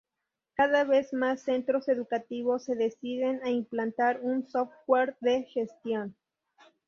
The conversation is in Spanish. Cada vez más centros educativos se deciden a implantar un software de gestión.